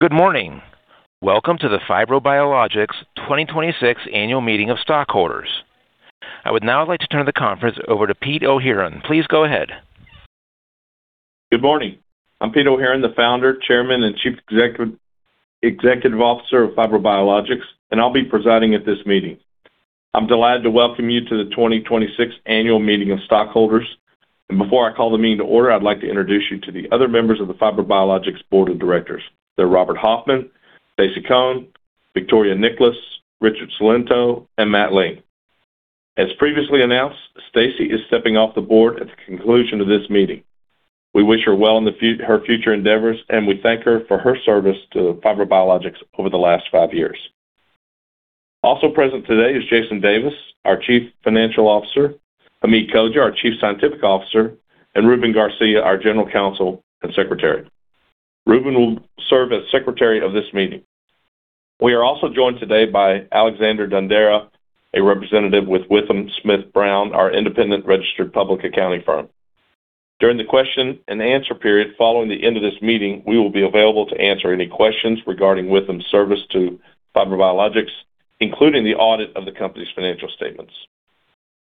Good morning. Welcome to the FibroBiologics 2026 Annual Meeting of Stockholders. I would now like to turn the conference over to Pete O'Heeron. Please go ahead. Good morning. I'm Pete O'Heeron, the Founder, Chairman, and Chief Executive Officer of FibroBiologics, I'll be presiding at this meeting. I'm delighted to welcome you to the 2026 Annual Meeting of Stockholders. Before I call the meeting to order, I'd like to introduce you to the other members of the FibroBiologics Board of Directors. They're Robert Hoffman, Stacy Coen, Victoria Niklas, Richard Cilento, and Matt Link. As previously announced, Stacy is stepping off the board at the conclusion of this meeting. We wish her well in her future endeavors, and we thank her for her service to FibroBiologics over the last five years. Also present today is Jason D. Davis, our Chief Financial Officer, Hamid Khoja, our Chief Scientific Officer, and Ruben A. Garcia, our General Counsel and Secretary. Ruben will serve as secretary of this meeting. We are also joined today by Alexander Dundara, a representative with WithumSmith+Brown, our independent registered public accounting firm. During the question-and-answer period following the end of this meeting, we will be available to answer any questions regarding Withum's service to FibroBiologics, including the audit of the company's financial statements.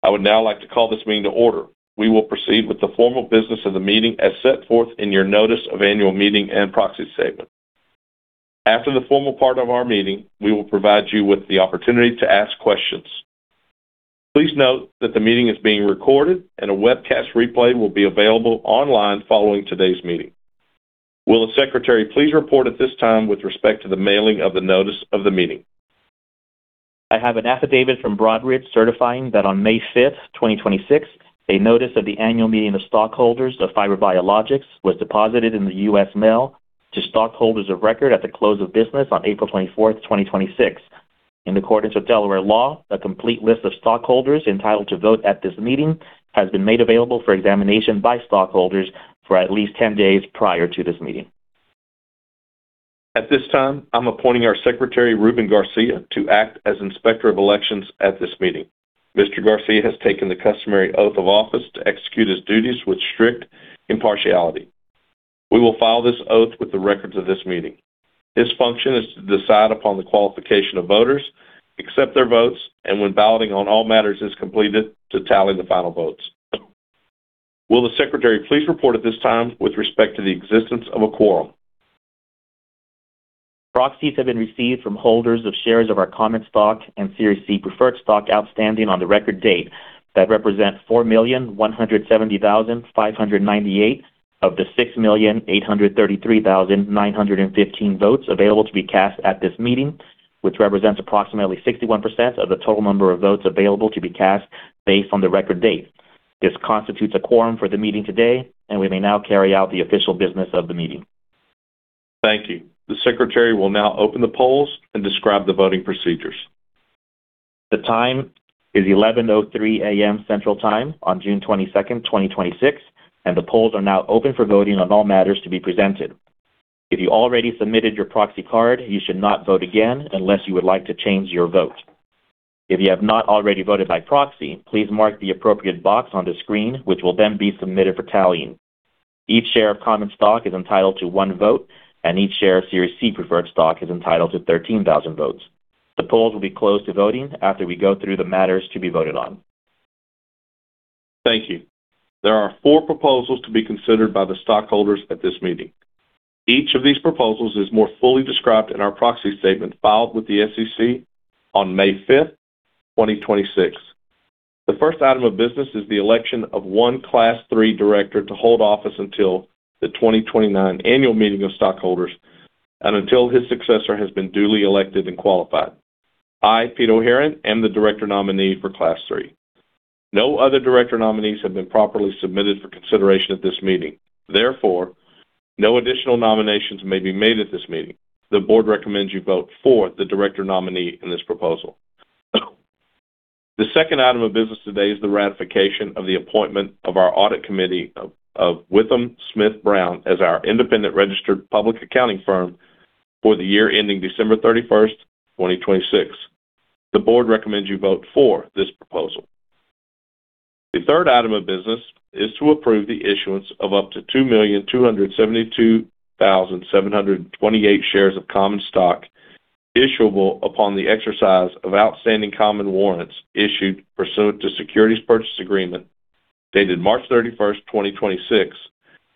I would now like to call this meeting to order. We will proceed with the formal business of the meeting as set forth in your Notice of Annual Meeting and Proxy Statement. After the formal part of our meeting, we will provide you with the opportunity to ask questions. Please note that the meeting is being recorded, and a webcast replay will be available online following today's meeting. Will the secretary please report at this time with respect to the mailing of the notice of the meeting? I have an affidavit from Broadridge certifying that on May fifth, 2026, a Notice of the Annual Meeting of Stockholders of FibroBiologics was deposited in the U.S. mail to stockholders of record at the close of business on April 24th, 2026. In accordance with Delaware law, a complete list of stockholders entitled to vote at this meeting has been made available for examination by stockholders for at least 10 days prior to this meeting. At this time, I'm appointing our secretary, Ruben A. Garcia, to act as Inspector of Elections at this meeting. Mr. Garcia has taken the customary oath of office to execute his duties with strict impartiality. We will file this oath with the records of this meeting. His function is to decide upon the qualification of voters, accept their votes, and when balloting on all matters is completed, to tally the final votes. Will the secretary please report at this time with respect to the existence of a quorum? Proxies have been received from holders of shares of our common stock and Series C Preferred Stock outstanding on the record date that represents 4,170,598 of the 6,833,915 votes available to be cast at this meeting, which represents approximately 61% of the total number of votes available to be cast based on the record date. This constitutes a quorum for the meeting today. We may now carry out the official business of the meeting. Thank you. The secretary will now open the polls and describe the voting procedures. The time is 11:03 A.M. Central Time on June 22nd, 2026. The polls are now open for voting on all matters to be presented. If you already submitted your proxy card, you should not vote again unless you would like to change your vote. If you have not already voted by proxy, please mark the appropriate box on the screen, which will then be submitted for tallying. Each share of common stock is entitled to one vote. Each share of Series C Preferred Stock is entitled to 13,000 votes. The polls will be closed to voting after we go through the matters to be voted on. Thank you. There are four proposals to be considered by the stockholders at this meeting. Each of these proposals is more fully described in our proxy statement filed with the SEC on May 5th, 2026. The first item of business is the election of one Class III director to hold office until the 2029 annual meeting of stockholders and until his successor has been duly elected and qualified. I, Pete O'Heeron, am the director nominee for Class III. No other director nominees have been properly submitted for consideration at this meeting. Therefore, no additional nominations may be made at this meeting. The board recommends you vote for the director nominee in this proposal. The second item of business today is the ratification of the appointment of our audit committee of WithumSmith+Brown as our independent registered public accounting firm for the year ending December 31st, 2026. The board recommends you vote for this proposal. The third item of business is to approve the issuance of up to 2,272,728 shares of common stock issuable upon the exercise of outstanding common warrants issued pursuant to Securities' Purchase Agreement dated March 31st, 2026,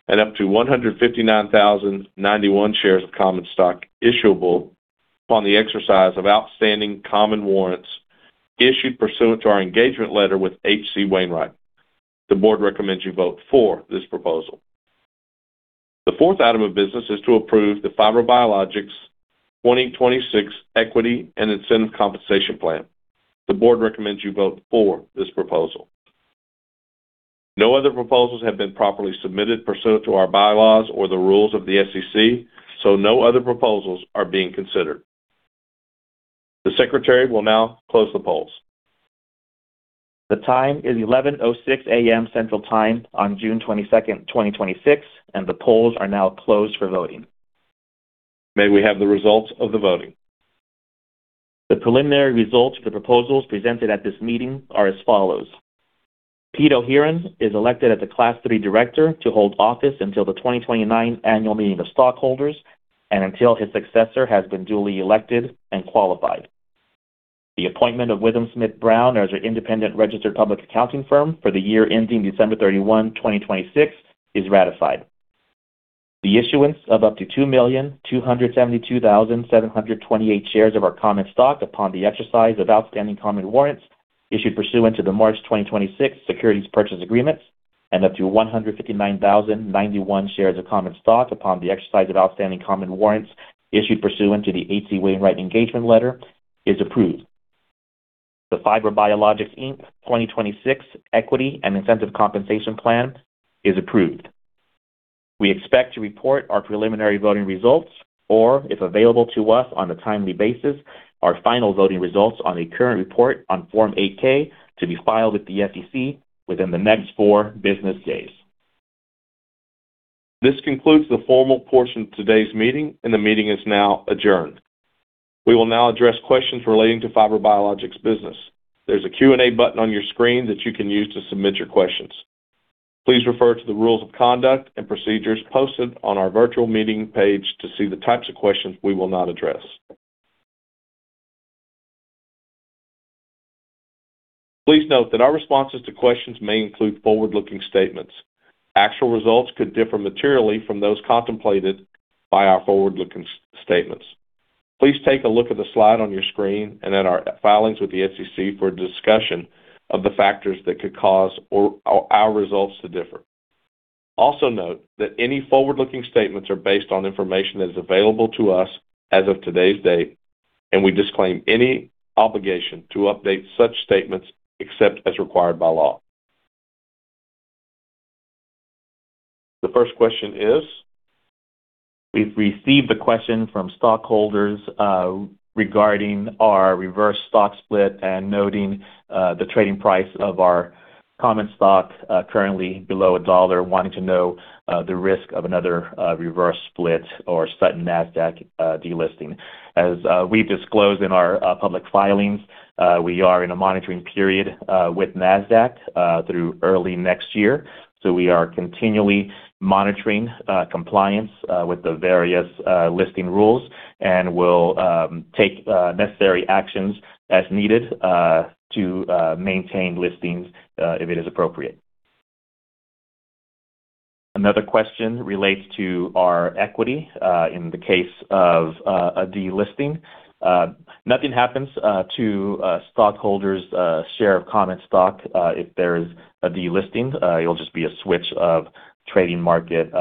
and up to 159,091 shares of common stock issuable on the exercise of outstanding common warrants issued pursuant to our engagement letter with H.C. Wainwright. The board recommends you vote for this proposal. The fourth item of business is to approve the FibroBiologics 2026 Equity and Incentive Compensation Plan. The board recommends you vote for this proposal. No other proposals have been properly submitted pursuant to our bylaws or the rules of the SEC, no other proposals are being considered. The secretary will now close the polls. The time is 11:06 A.M. Central Time on June 22nd, 2026, the polls are now closed for voting. May we have the results of the voting? The preliminary results for the proposals presented at this meeting are as follows. Pete O'Heeron is elected as a Class III director to hold office until the 2029 annual meeting of stockholders and until his successor has been duly elected and qualified. The appointment of WithumSmith+Brown as our independent registered public accounting firm for the year ending December 31, 2026 is ratified. The issuance of up to 2,272,728 shares of our common stock upon the exercise of outstanding common warrants issued pursuant to the March 2026 securities purchase agreements and up to 159,091 shares of common stock upon the exercise of outstanding common warrants issued pursuant to the H.C. Wainwright & Co. Engagement Letter is approved. The FibroBiologics, Inc. 2026 Equity and Incentive Compensation Plan is approved. We expect to report our preliminary voting results, or if available to us on a timely basis, our final voting results on a current report on Form 8-K to be filed with the SEC within the next four business days. This concludes the formal portion of today's meeting, and the meeting is now adjourned. We will now address questions relating to FibroBiologics business. There's a Q&A button on your screen that you can use to submit your questions. Please refer to the rules of conduct and procedures posted on our virtual meeting page to see the types of questions we will not address. Please note that our responses to questions may include forward-looking statements. Actual results could differ materially from those contemplated by our forward-looking statements. Please take a look at the slide on your screen and at our filings with the SEC for a discussion of the factors that could cause our results to differ. Also note that any forward-looking statements are based on information that is available to us as of today's date, and we disclaim any obligation to update such statements except as required by law. The first question is? We've received a question from stockholders regarding our reverse stock split and noting the trading price of our common stock currently below $1, wanting to know the risk of another reverse split or sudden Nasdaq delisting. As we disclose in our public filings, we are in a monitoring period with Nasdaq through early next year. We are continually monitoring compliance with the various listing rules and will take necessary actions as needed to maintain listings if it is appropriate. Another question relates to our equity in the case of a delisting. Nothing happens to stockholders' share of common stock if there's a delisting. It'll just be a switch of trading market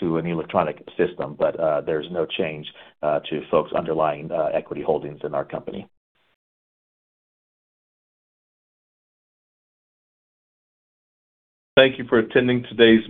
to an electronic system, but there's no change to folks' underlying equity holdings in our company. Thank you for attending today'smeeting.